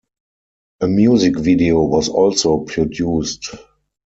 A music video was also produced.